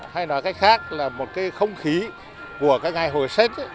hay nói cách khác là một không khí của ngày hội sách